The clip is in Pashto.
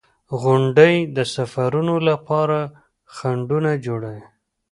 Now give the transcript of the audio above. • غونډۍ د سفرونو لپاره خنډونه جوړوي.